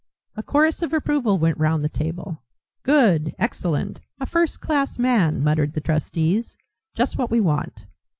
A chorus of approval went round the table. "Good," "Excellent," "A first class man," muttered the trustees, "just what we want."